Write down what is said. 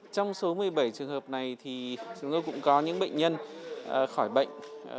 trong số một mươi bảy trường hợp này thì chúng tôi cũng có những bệnh nhân khỏi bệnh